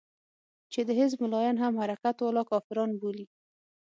چې د حزب ملايان هم حرکت والا کافران بولي.